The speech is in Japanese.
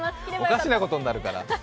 おかしなことになるから。